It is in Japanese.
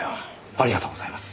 ありがとうございます。